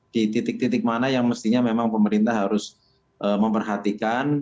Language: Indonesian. di titik titik mana yang mestinya memang pemerintah harus memperhatikan